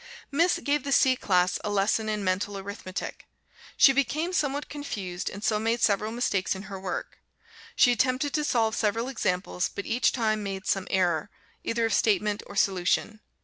Miss gave the C class a lesson in Mental Arithmetic. She became somewhat confused, and so made several mistakes in her work. She attempted to solve several examples, but each time made some error, either of statement or solution.